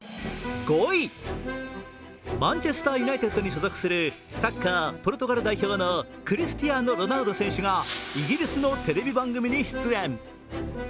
マンチェスターユナイテッドに所属するサッカーポルトガル代表のクリスティアーノ・ロナウド選手がイギリスのテレビ番組に出演。